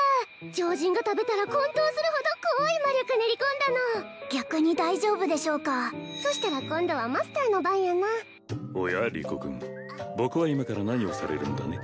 常人が食べたらこん倒するほど濃ーい魔力練り込んだの逆に大丈夫でしょうかそしたら今度はマスターの番やなおやリコ君僕は今から何をされるんだね？